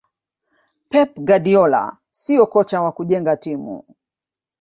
pep guardiola siyo kocha wa kujenga timu